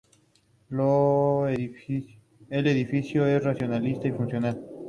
El edificio es racionalista y funcional.